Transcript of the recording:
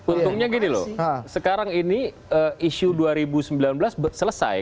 untungnya gini loh sekarang ini isu dua ribu sembilan belas selesai